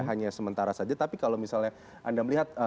hanya sementara saja tapi kalau misalnya anda melihat